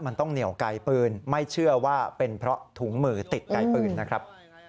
มันต้องเหนียวไกลปืนไม่เชื่อว่าเป็นเพราะถุงมือติดไกลปืนนะครับ